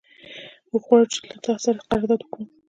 موږ غواړو چې له تا سره قرارداد وکړو.